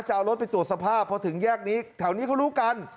จะเอารถไปตรวจสภาพพอถึงแยกนี้แถวนี้เขารู้กัน